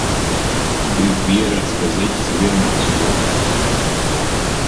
Biju pieradis, ka zeķes ir vienmēr slapjas.